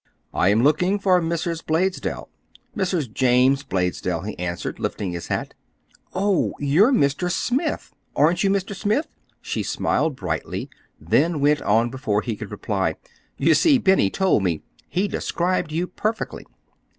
"I am looking for Mrs. Blaisdell—Mrs. James Blaisdell," he answered, lifting his hat. "Oh, you're Mr. Smith. Aren't you Mr. Smith?" She smiled brightly, then went on before he could reply. "You see, Benny told me. He described you perfectly."